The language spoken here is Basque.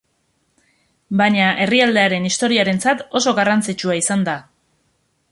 Baina, herrialdearen historiarentzat oso garrantzitsua izan da.